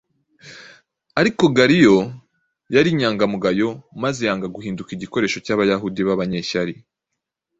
Ariko Galiyo yari inyangamugayo maze yanga guhinduka igikoresho cy’Abayahudi b’abanyeshyari